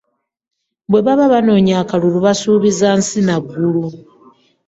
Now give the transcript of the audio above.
Bwe baba banoonya akalulu basuubiza nsi na ggulu.